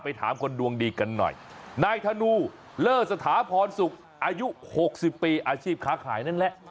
ถามคนดวงดีกันหน่อยนายธนูเลอร์สถาพรสุขอายุ๖๐ปีอาชีพค้าขายนั่นแหละ